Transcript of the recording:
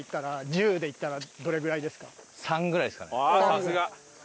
さすが！